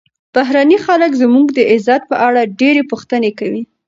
بهرني خلک زموږ د عزت په اړه ډېرې پوښتنې کوي.